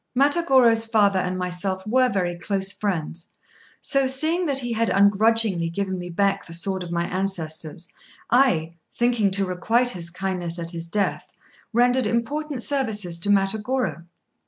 Matagorô's father and myself were very close friends; so, seeing that he had ungrudgingly given me back the sword of my ancestors, I, thinking to requite his kindness at his death, rendered important services to Matagorô.